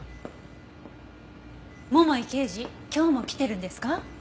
桃井刑事今日も来てるんですか？